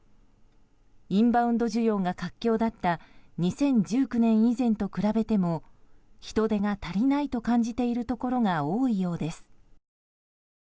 インバウンド需要が活況だった２０１９年以前と比べても人手が足りないと感じているところが多いようです。